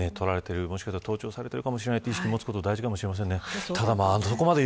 もしかしたら盗聴されているかもしれないという意識を持つのも大切かもしれません。